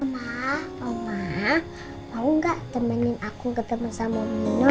ma ma mau gak temenin aku ketemu sama om nino